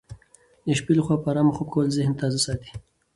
د شپې لخوا په ارامه خوب کول ذهن تازه ساتي.